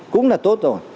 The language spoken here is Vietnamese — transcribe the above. cũng là tốt rồi